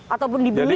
ataupun dibeli gitu